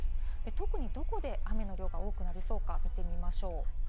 特にどこで雨の量が多くなりそうか見ていきましょう。